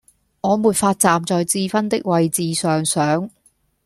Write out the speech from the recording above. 我沒法站在智勳的位置上想